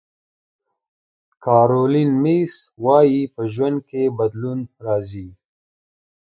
کارولین میس وایي په ژوند کې بدلون راځي.